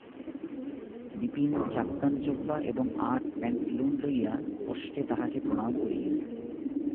বিপিন চাপকান জোব্বা এবং আঁট প্যাণ্টলুন লইয়া কষ্টে তাঁহাকে প্রণাম করিলেন।